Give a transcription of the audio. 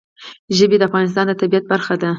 ژبې د افغانستان د طبیعت برخه ده.